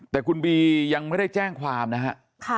แต่คุณบียังไม่ได้แจ้งความนะฮะ